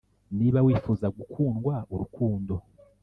niba wifuza gukundwa, urukundo.